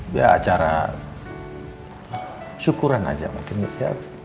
biar cara syukuran aja mungkin ya